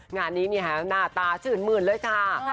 งานนี้เนี่ยหน้าตาชื่นหมื่นเลยจ้า